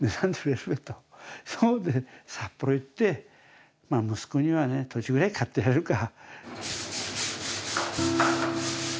そんで札幌行ってまあ息子には土地ぐらい買ってやるか。